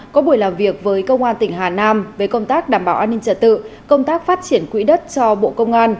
có buổi làm việc với công an tỉnh hà nam về công tác đảm bảo an ninh trật tự công tác phát triển quỹ đất cho bộ công an